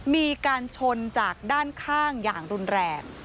มีการชนจากด้านข้างอย่างรุนแรง